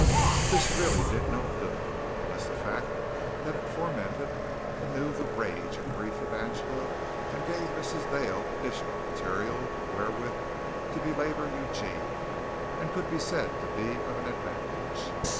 This really did no good, unless the fact that it fomented anew the rage and grief of Angela, and gave Mrs. Dale additional material wherewith to belabor Eugene, could be said to be of advantage.